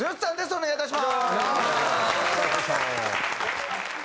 お願いいたします。